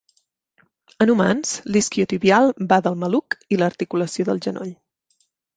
En humans, l'isquiotibial va del maluc i l'articulació del genoll.